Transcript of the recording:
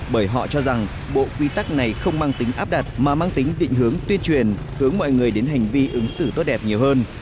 bởi họ cho rằng bộ quy tắc này không mang tính áp đặt mà mang tính định hướng tuyên truyền hướng mọi người đến hành vi ứng xử tốt đẹp nhiều hơn